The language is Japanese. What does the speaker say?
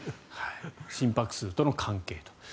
心拍数との関係と。